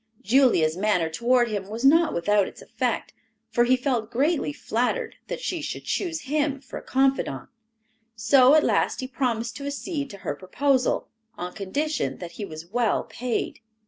Julia's manner toward him was not without its effect, for he felt greatly flattered that she should choose him for a confidant; so at last he promised to accede to her proposal on condition that he was well paid.